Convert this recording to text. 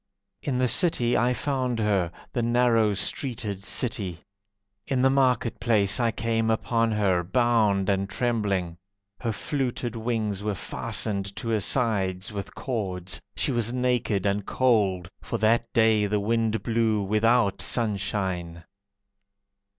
In the city I found her, The narrow streeted city. In the market place I came upon her, Bound and trembling. Her fluted wings were fastened to her sides with cords, She was naked and cold, For that day the wind blew Without sunshine.